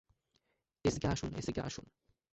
এসিকে আসুন, এসিকে আসুন।